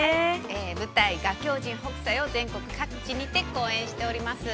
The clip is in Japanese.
◆舞台「画狂人北斎」を全国各地にて公演しております。